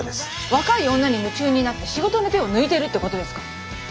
若い女に夢中になって仕事の手を抜いてるってことですか？